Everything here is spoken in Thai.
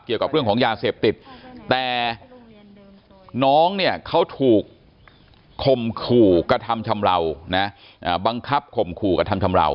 เกี่ยวกับเรื่องของยาเสพติดแต่น้องเนี่ยเขาถูกคมขู่กระทำชำราวนะบังคับข่มขู่กระทำชำราว